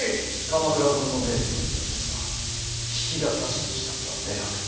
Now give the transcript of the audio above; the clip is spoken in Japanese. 鎌倉殿の命と言われておりますが比企が指図したことは明白。